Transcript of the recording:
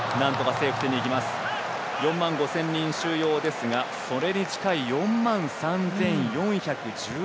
４万５０００人収容ですがそれに近い４万３４１８人。